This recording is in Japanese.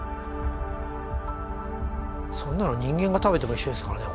そんなの人間が食べても一緒ですからね